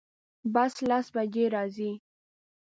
بس لس بجی راځي